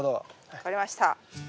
分かりました。